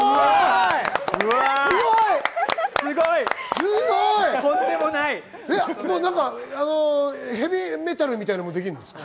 すごい！ヘビーメタルみたいなのもできるんですか？